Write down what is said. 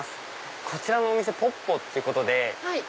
こちらのお店「ぽっぽ」っていうことで。